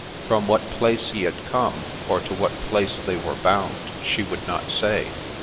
From what place he had come, or to what place they were bound, she would not say.